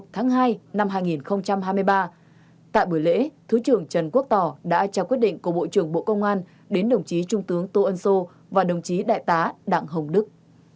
tại buổi lễ thứ trưởng trần quốc tỏ đã trao quyết định của bộ trưởng bộ công an đến đồng chí trung tướng tô ân sô và đồng chí đại tá đặng hồng đức